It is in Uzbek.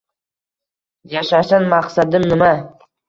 Yashashdan maqsadim nima?”